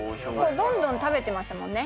どんどん食べてましたもんね。